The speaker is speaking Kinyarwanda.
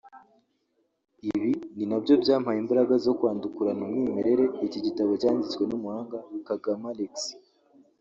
ibi na byo byampaye imbaraga zo kwandukurana umwimerere iki gitabo cyanditswe n’umuhanga Kagame Alexis